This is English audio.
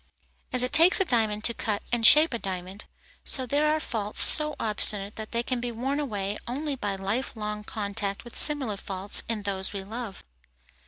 As it takes a diamond to cut and shape a diamond, so there are faults so obstinate that they can be worn away only by life long contact with similar faults in those we love.